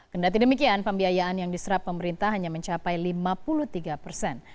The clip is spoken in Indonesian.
kendati demikian pembiayaan yang diserap pemerintah hanya mencapai lima puluh tiga persen